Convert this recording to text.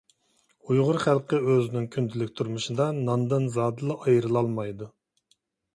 ئۇيغۇر خەلقى ئۆزىنىڭ كۈندىلىك تۇرمۇشىدا ناندىن زادىلا ئايرىلالمايدۇ.